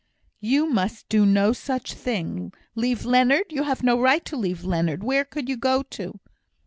"You must do no such thing. Leave Leonard! You have no right to leave Leonard. Where could you go to?"